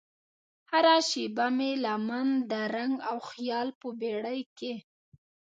هره شیبه مې لمن د رنګ او خیال په بیړۍ کې